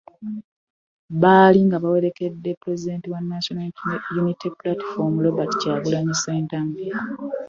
Baali nga bawerekedde Pulezidenti wa National Unity Platform Robert Kyagulanyi Ssentamu